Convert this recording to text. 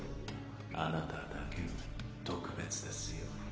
あなただけの特別ですよ